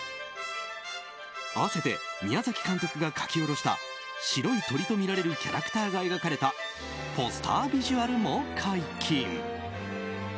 合わせて宮崎監督が書き下ろした白い鳥とみられるキャラクターが描かれたポスタービジュアルも解禁。